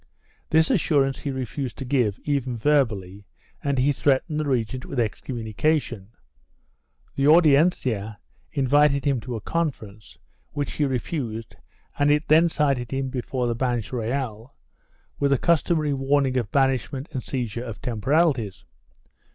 This assurance he refused to give, even verbally, and he threat ened the regent with excommunication. The Audiencia invited him to a conference, which he refused and it then cited him before the Banch Reyal, with the customary warning of banish ment and seizure of temporalities.